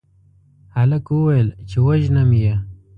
هلک وويل چې وژنم يې